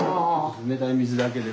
冷たい水だけでも。